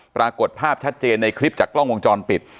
ปรากฏภาพชัดเจนในคลิปจากกล้องวงจรปิด